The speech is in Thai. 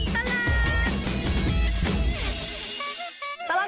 ชั่วตลอดตลาด